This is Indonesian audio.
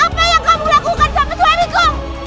apa yang kamu lakukan sama suamiku